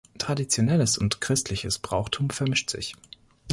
Traditionelles und christliches Brauchtum vermischt sich.